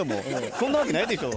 そんなわけないでしょ。